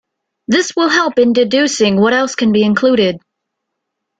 This will help in deducing what else can be included.